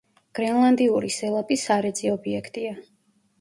გრენლანდიური სელაპი სარეწი ობიექტია.